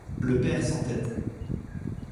Le père s'entête.